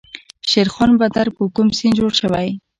شیرخان بندر په کوم سیند جوړ شوی؟